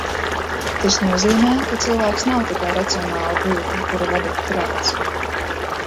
Tas nozīmē, ka cilvēks nav tikai racionāla būtne, kuru vada prāts